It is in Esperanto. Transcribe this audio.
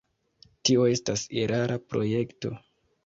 Tio estas erara projekto.